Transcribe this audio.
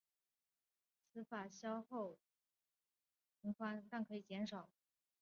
此法较消耗频宽但是画面的闪烁与扭曲则可以减少。